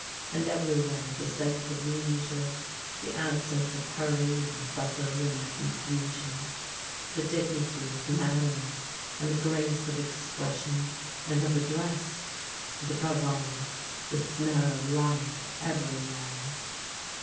And everywhere the sense of leisure, the absence of hurry and bustle and confusion; the dignity of manners and the grace of expression and of address. And, above all, the smell of life everywhere."